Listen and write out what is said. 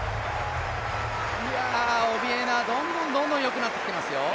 オビエナ、どんどんどんどんよくなってきてますよ。